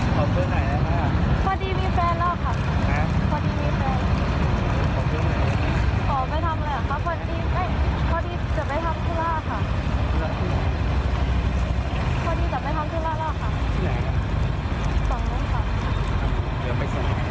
ผู้หญิงตามไปทางนี้ละแล้วค่ะ